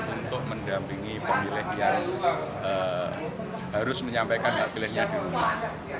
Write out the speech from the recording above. untuk mendampingi pemilih yang harus menyampaikan hak pilihnya di rumah